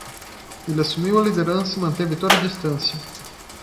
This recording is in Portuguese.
Ele assumiu a liderança e manteve toda a distância.